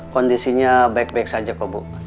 kondisinya baik baik saja kubu